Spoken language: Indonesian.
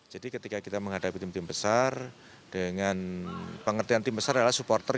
jadi ketika kita menghadapi tim tim besar dengan pengertian tim besar adalah supporter